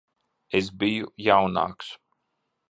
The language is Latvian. Es biju jaunāks.